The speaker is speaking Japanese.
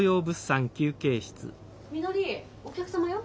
みのりお客様よ。